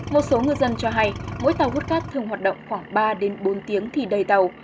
một số ngư dân cho hay mỗi tàu hút cát thường hoạt động khoảng ba đến bốn tiếng thì đầy tàu